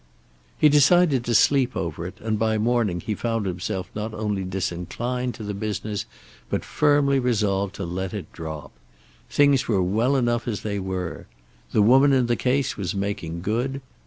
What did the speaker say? He decided to sleep over it, and by morning he found himself not only disinclined to the business, but firmly resolved to let it drop. Things were well enough as they were. The woman in the case was making good.